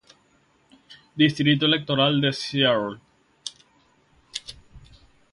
Distrito electoral de St.